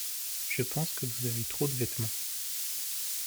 Je pense que vous avez trop de vêtements.